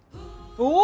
お！